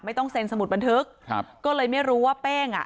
ต้องเซ็นสมุดบันทึกครับก็เลยไม่รู้ว่าเป้งอ่ะ